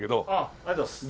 ありがとうございます。